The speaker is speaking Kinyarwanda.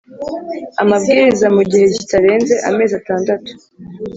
amabwiriza mu gihe kitarenze amezi atandatu